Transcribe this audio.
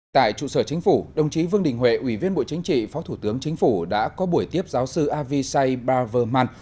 tại trụ sở chính phủ đồng chí vương đình huệ ủy viên bộ chính trị phó thủ tướng chính phủ đã có buổi tiếp giáo sư avishai barverman